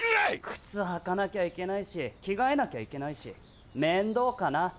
・くつはかなきゃいけないし着がえなきゃいけないしめんどうかな。